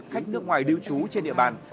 khách nước ngoài điêu chú trên địa bàn